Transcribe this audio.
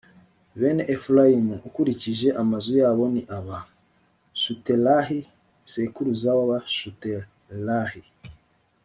bene efurayimu, ukurikije amazu yabo ni aba: shutelahi sekuruza w’abashutelahi.